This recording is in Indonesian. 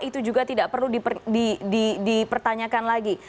itu juga tidak perlu dipertanyakan lagi